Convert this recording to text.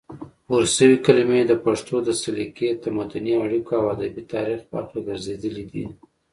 پورشوي کلمې د پښتو د سلیقې، تمدني اړیکو او ادبي تاریخ برخه ګرځېدلې دي،